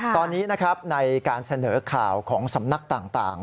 ตอนนี้นะครับในการเสนอข่าวของสำนักต่าง